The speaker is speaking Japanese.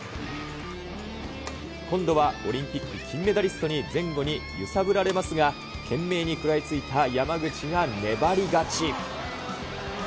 今度はオリンピック金メダリストに、前後に揺さぶられますが、懸命に食らいついた山口が粘り勝ち。